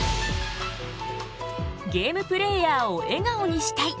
ゲームプレーヤーを笑顔にしたい！